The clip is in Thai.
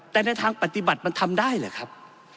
แต่ในทางปฏิบัติมันทำได้หรือครับ